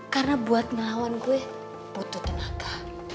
karena buat ngelawan gue butuh tenaga